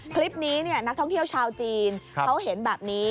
คลิปนี้นักท่องเที่ยวชาวจีนเขาเห็นแบบนี้